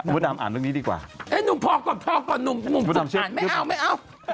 มดดำอ่านเรื่องนี้ดีกว่านุ่มพอก่อนนุ่มพูดอ่านไม่เอา